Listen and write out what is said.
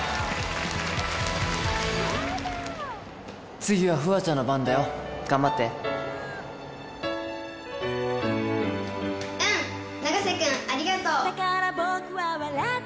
次は楓空ちゃんの番だよ、うん、永瀬君、ありがとう。